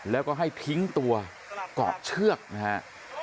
แล้วก็ให้ทิ้งตัวกับเชือกมันนะคะ